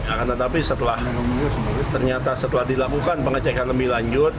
nah karena tapi setelah ternyata setelah dilakukan pengecekan lebih lanjut